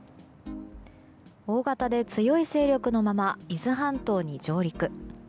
大型で強い勢力のまま伊豆半島に上陸。